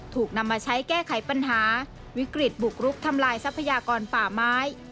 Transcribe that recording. ถูกนำมาใช้แก้ไขปัญหาวิกฤตบุกรุกทำลายทรัพยากรป่าไม้